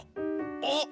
あっ！